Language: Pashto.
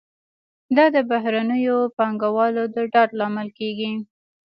دا د بهرنیو پانګوالو د ډاډ لامل کیږي.